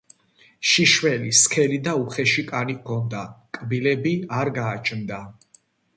შიშველი, სქელი და უხეში კანი ჰქონდა, კბილები არ გააჩნდა.